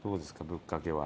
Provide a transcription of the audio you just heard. ぶっかけは。